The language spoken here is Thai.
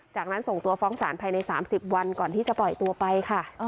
จากนั้นส่งตัวฟ้องสารภายใน๓๐วันก่อนที่จะปล่อยตัวไปค่ะ